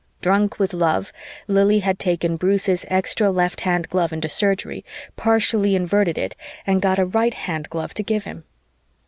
Drunk with love, Lili had taken Bruce's extra left hand glove into Surgery, partially Inverted it, and got a right hand glove to give him.